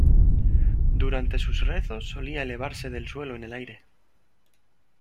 Durante sus rezos solía elevarse del suelo en el aire.